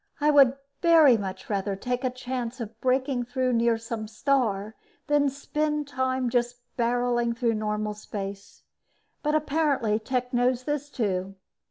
I would much rather take a chance of breaking through near some star than spend time just barreling through normal space, but apparently Tech knows this, too.